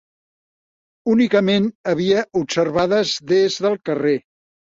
...únicament havia observades des del carrer;